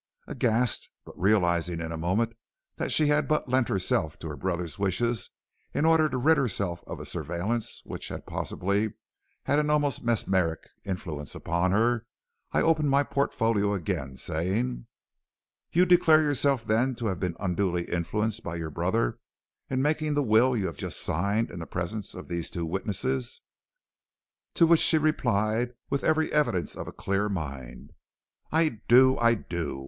"Aghast but realizing in a moment that she had but lent herself to her brother's wishes in order to rid herself of a surveillance which had possibly had an almost mesmeric influence upon her, I opened my portfolio again, saying: "'You declare yourself then to have been unduly influenced by your brother in making the will you have just signed in the presence of these two witnesses?' "To which she replied with every evidence of a clear mind "'I do; I do.